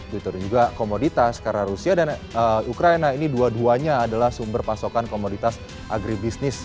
gitu dan juga komoditas karena rusia dan ukraina ini dua duanya adalah sumber pasokan komoditas agribisnis